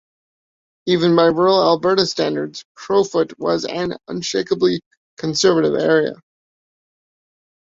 Even by rural Alberta standards, Crowfoot was an unshakably conservative area.